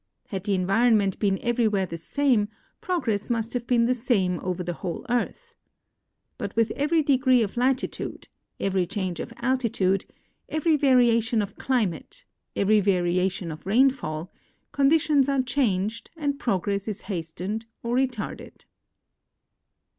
Had the environment l)een everywhere the same, progress must have been the same over the whole earth. lUit with every degree of latitude, every change of altitude, every variation of climate, every variation of rainfall conditions are changed and progress is hastened or retardeil.